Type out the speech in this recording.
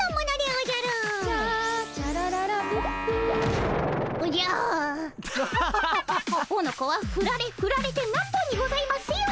おのこはふられふられてなんぼにございますよ。